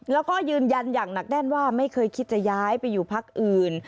แล้วก็ยืนยันอย่างหนักแน่นว่าไม่เคยคิดจะย้ายไปอยู่พักอื่น